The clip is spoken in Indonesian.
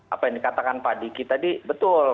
apa yang dikatakan pak diki tadi betul